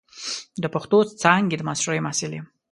د پښتو څانګې د ماسترۍ محصل یم.